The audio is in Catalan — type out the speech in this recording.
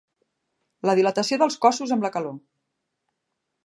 La dilatació dels cossos amb la calor.